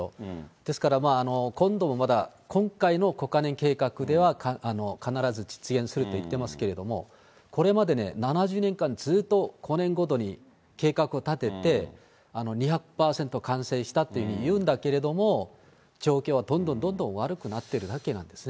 ですから今度もまた今回の５か年計画では、必ず実現すると言ってますけれども、これまでね、７０年間ずっと５年ごとに計画を立てて、２００％完成したっていうふうに言うんだけれども、状況はどんどんどんどん悪くなってるだけですね。